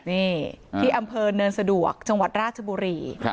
นี่ที่อำเภอเนินสะดวกจังหวัดราชบุรี